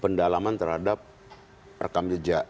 pendalaman terhadap rekam jejak